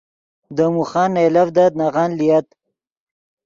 دے موخن نئیلڤدت نغن لییت